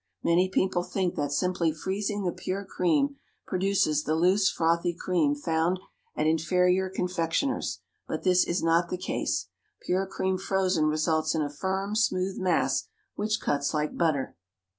Many people think that simply freezing the pure cream produces the loose, frothy cream found at inferior confectioners', but this is not the case; pure cream frozen results in a firm smooth mass which cuts like butter.